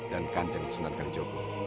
dan kanjeng sunan karjobu